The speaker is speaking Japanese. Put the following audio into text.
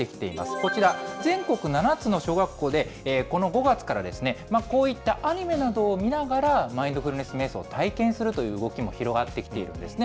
こちら、全国７つの小学校で、この５月からですね、こういったアニメなどを見ながら、マインドフルネスめい想を体験するという動きも広がってきているんですね。